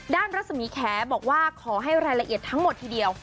รัศมีแขบอกว่าขอให้รายละเอียดทั้งหมดทีเดียว